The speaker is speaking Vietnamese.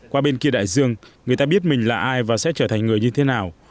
qua bên kia đại dương người ta biết mình là ai và sẽ trở thành người như thế nào